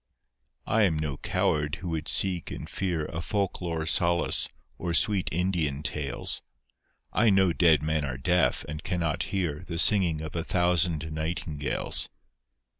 I am no coward who could seek in fear A folklore solace or sweet Indian tales: I know dead men are deaf and cannot hear The singing of a thousand nightingales.